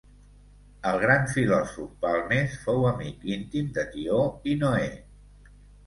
El gran filòsof Balmes fou amic íntim de Tió i Noé.